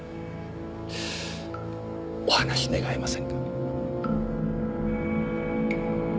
お話し願えませんか？